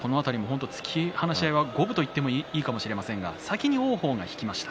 突き放し合いは五分といってもいいかもしれませんが先に王鵬が引きました。